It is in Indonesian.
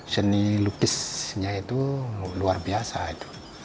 seni lukisnya itu luar biasa itu